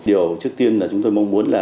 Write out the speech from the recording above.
điều trước tiên là chúng tôi mong muốn là